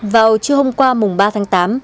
vào trưa hôm qua mùng ba tháng tám